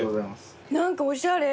何かおしゃれ。